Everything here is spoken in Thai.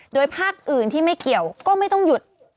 โดยภาคอื่นที่ไม่เกี่ยวก็ไม่ต้องหยุด